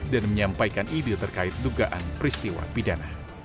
dan menyampaikan ide terkait dugaan peristiwa pidan